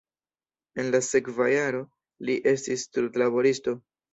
En la sekva jaro li estis trudlaboristo.